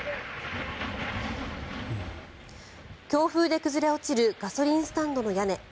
強風で崩れ落ちるガソリンスタンドの屋根。